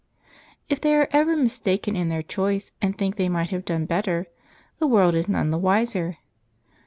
If they are ever mistaken in their choice, and think they might have done better, the world is none the wiser.